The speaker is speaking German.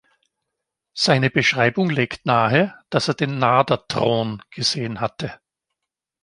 Seine Beschreibung legt nahe, dass er den „Nader-Thron“ gesehen hatte.